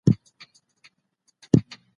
ولې پخوا شیان بل ډول وو؟